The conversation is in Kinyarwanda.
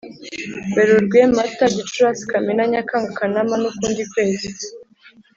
Werurwe Mata Gicurasi Kamena Nyakanga Kanama n ukundi kwezi